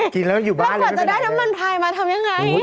กินแล้วอยู่บ้านแล้วกว่าจะได้น้ำมันพายมาทำยังไง